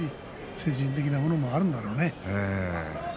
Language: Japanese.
精神的なものがあるんだろうね。